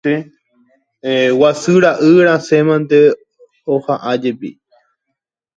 Guasu ra'y rasẽ mante oha'ãjepi.